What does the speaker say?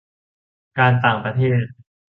การต่างประเทศ